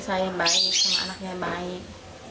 saya baik anaknya baik